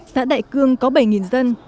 xã đại cương có bảy dân